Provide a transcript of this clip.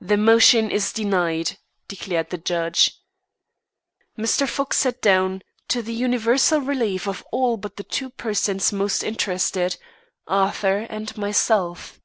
"The motion is denied," declared the judge. Mr. Fox sat down, to the universal relief of all but the two persons most interested Arthur and myself.